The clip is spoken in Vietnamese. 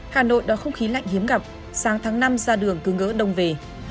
hà nội đón không khí lạnh hiếm gặp sáng tháng năm ra đường cứ ngỡ đông về